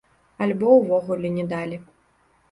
Альбо ўвогуле не далі.